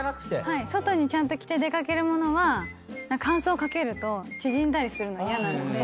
外にちゃんと着て出掛ける物は乾燥かけると縮んだりするの嫌なので。